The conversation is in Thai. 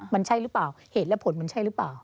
มันใช่หรือเปล่าเหตุและผลมันใช่หรือเปล่า